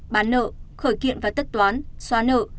bán nợ khởi kiện và tất toán xóa nợ